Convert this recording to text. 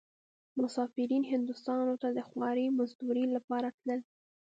مسافرين هندوستان ته د خوارۍ مزدورۍ لپاره تلل.